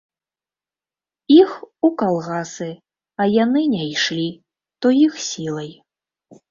Іх у калгасы, а яны не ішлі, то іх сілай.